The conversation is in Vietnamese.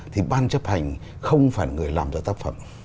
thì ban chấp hành không phải người làm ra tác phẩm